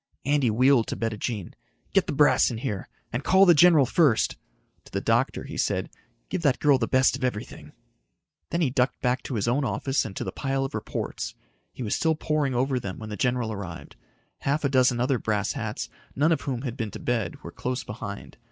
Andy wheeled to Bettijean. "Get the brass in here. And call the general first." To the doctor, he said, "Give that girl the best of everything." Then he ducked back to his own office and to the pile of reports. He was still poring over them when the general arrived. Half a dozen other brass hats, none of whom had been to bed, were close behind.